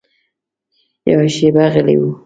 یوه شېبه غلی و.